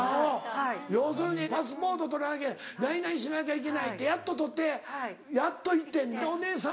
要するにパスポート取らなきゃ何々しなきゃいけないってやっと取ってやっと行って「お姉様」